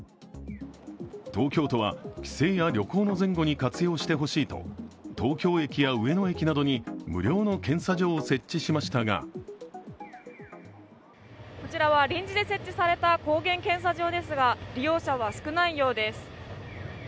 東京都は、帰省や旅行の前後に活用してほしいと東京駅や上野駅などに無料の検査場を設置しましたがこちらは臨時で設置された抗原検査上ですが利用者は少ないようです。